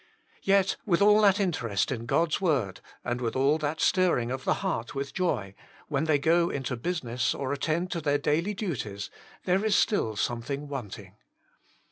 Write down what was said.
Yet with all that interest in God's word, and with all that stirring of the heart with joy, when they go into business or attend, to their daily duties, there is still something wanting.